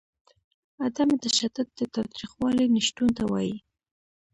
عدم تشدد د تاوتریخوالي نشتون ته وايي.